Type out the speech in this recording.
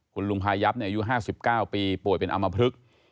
คุณลุงพายับอายุ๕๙ปีป่วยเป็นอำมพลึก